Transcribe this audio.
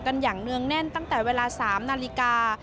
อย่างเนื่องแน่นตั้งแต่เวลา๓นาฬิกา